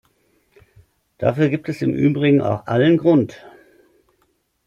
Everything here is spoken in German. Dafür gibt es im Übrigen auch allen Grund.